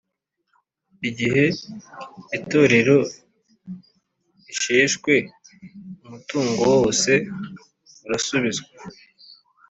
igihe itorero risheshwe umutungo wose urasubizwa